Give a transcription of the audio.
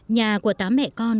nhà của tám mẹ con